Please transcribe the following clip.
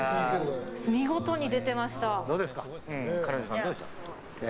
見事に出てました。